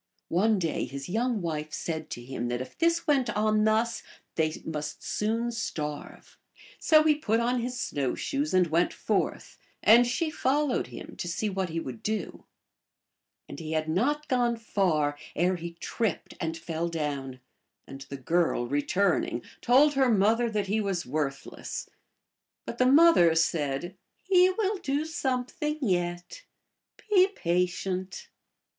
One day his young wife said to him that if this went on thus they must soon starve. So he put on his snow shoes and went forth, and she followed him to see what he would do. And he had not gone far ere he tripped and fell down, and the girl, returning, told her mother that he was worthless. But the mother said, " He will do something yet. Be patient."